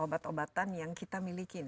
obat obatan yang kita miliki